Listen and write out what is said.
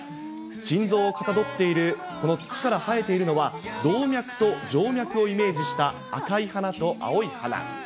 心臓をかたどっている、この土から生えているのは、動脈と静脈をイメージした赤い花と青い花。